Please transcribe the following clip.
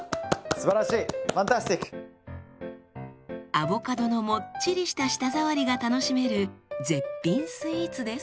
アボカドのモッチリした舌触りが楽しめる絶品スイーツです。